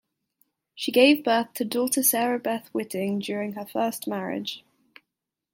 She gave birth to daughter Sarah Beth Whiting during her first marriage.